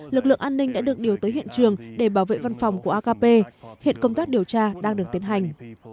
lực lượng an ninh đã được điều tới hiện trường để bảo vệ văn phòng của akp hiện công tác điều tra đang được tiến hành